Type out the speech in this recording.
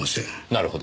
なるほど。